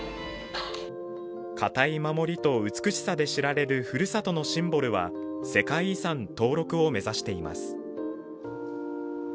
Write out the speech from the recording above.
堅い守りと美しさで知られるふるさとのシンボルは世界遺産登録を目指しています。